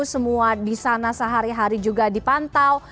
semua di sana sehari hari juga dipantau